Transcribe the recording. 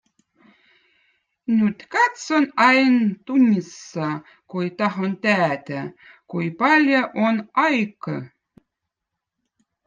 Nütt katson ain tunnissõ, kui tahon täätä, kui pal̕l̕o on aikõ.